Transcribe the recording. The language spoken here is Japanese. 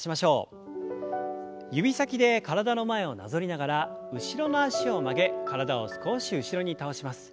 指先で体の前をなぞりながら後ろの脚を曲げ体を少し後ろに倒します。